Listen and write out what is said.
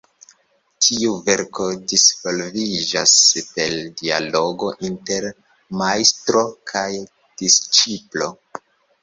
Tiu verko disvolviĝas per dialogo inter majstro kaj disĉiplo.